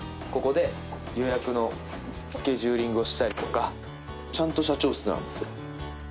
ここで予約のスケジューリングをしたりとかちゃんと社長室なんですよ